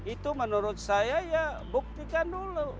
itu menurut saya ya buktikan dulu